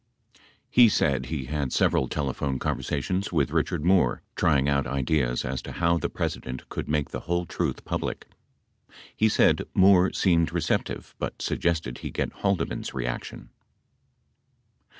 He said he had several telephone conversations with Richard Moore, trying out ideas as to how' the President could make the whole truth public. He said Moore seemed receptive but suggested he get Haldeman's reaction.